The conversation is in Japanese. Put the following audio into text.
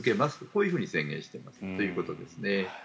こういうふうに宣言していますということですね。